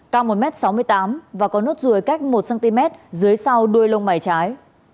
cao một m sáu mươi tám và có nốt ruồi cách một cm dưới sau đuôi lông mày trái